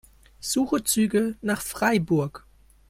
Suche Züge nach Freiburg.